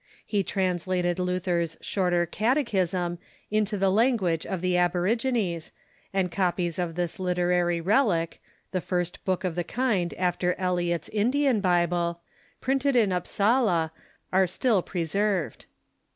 He translated Luther's "Shorter Catechism" into the language of the ab origines, and copies of this literary relic — the first book of the kind after Eliot's Indian l)ible — printed in Upsala, are still pre served.